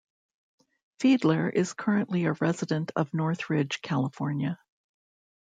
Fiedler is currently a resident of Northridge, California.